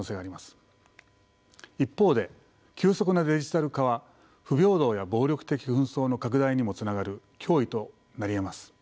一方で急速なデジタル化は不平等や暴力的紛争の拡大にもつながる脅威となりえます。